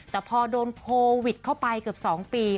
แต่พอโดนโควิดเข้าไปเกือบ๒ปี